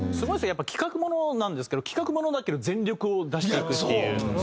やっぱ企画ものなんですけど企画ものだけど全力を出していくっていう。